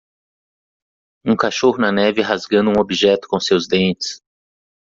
Um cachorro na neve rasgando um objeto com seus dentes